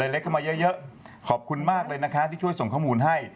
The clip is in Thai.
เล็กเข้ามาเยอะขอบคุณมากเลยนะคะที่ช่วยส่งข้อมูลให้